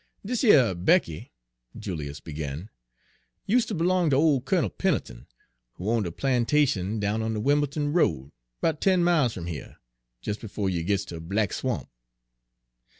"Dis yer Becky," Julius began, "useter b'long ter ole Kunnel Pen'leton, who owned a plantation down on de Wim'l'ton Road, 'bout ten miles fum heah, des befo' you gits ter Black Swamp.